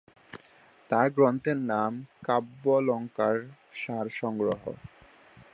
তাঁর গ্রন্থের নাম কাব্যালঙ্কারসারসংগ্রহ।